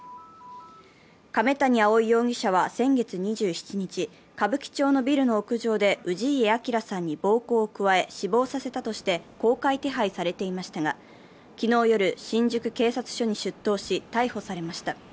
亀谷蒼容疑者は先月２７日、歌舞伎町のビルの屋上で氏家彰さんに暴行を加え死亡させたとして公開手配されていましたが、昨日夜新宿警察署に出頭し逮捕されました。